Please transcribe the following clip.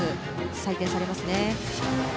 採点されますね。